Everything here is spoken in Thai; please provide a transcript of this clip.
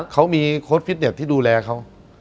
เขามีโค้ดฟิตเน็ตที่ดูแลเขา